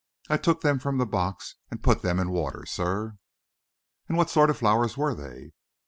I took them from the box and put them in water, sir." "And what sort of flowers were they?"